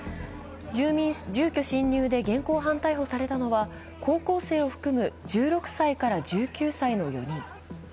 住居侵入で現行犯逮捕されたのは高校生を含む１６歳から１９歳の４人。